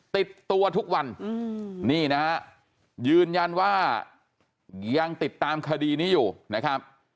ติดตัวทุกวันนี่นะฮะยืนยันว่ายังติดตามคดีนี้อยู่นะครับ